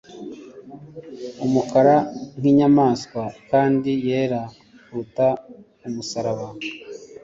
umukara nk'inyamaswa kandi yera kuruta umusaraba